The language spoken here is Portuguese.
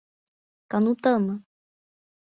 Canutama